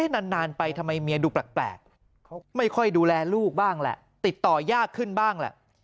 นานไปทำไมเมียดูแปลกไม่ค่อยดูแลลูกบ้างแหละติดต่อยากขึ้นบ้างแหละ